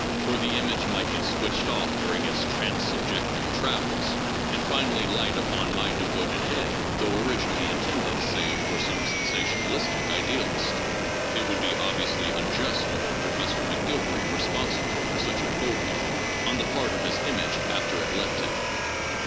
Or the image might get switched off during its ' transsubjective ' travels and finally light upon my devoted head, though originally intended, say, for some sensationalistic idealist. It would be obviously unjust to hold Pro fessor McGilvary responsible for such a faux pas on the part of his image after it left him.